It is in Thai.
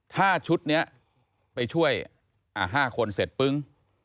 ถ้าชุดนี้ไปช่วย๕คนเสร็จปึ้ง